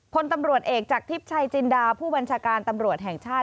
พลตำรวจเอกจากทิพย์ชัยจินดาผู้บัญชาการตำรวจแห่งชาติ